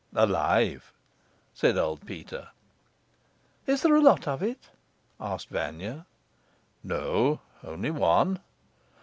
"Alive," said old Peter. "Is there a lot of it?" asked Vanya. "No, only one."